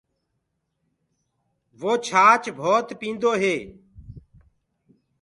وو ڇآچ ڀوت پيٚندو هي۔